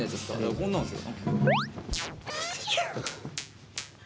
こんなんっすよ。